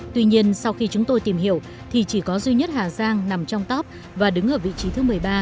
tuy nhiên sau khi chúng tôi tìm hiểu thì chỉ có duy nhất hà giang nằm trong top và đứng ở vị trí thứ một mươi ba